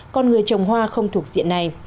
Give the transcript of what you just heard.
còn người trồng hoa không thuộc diện này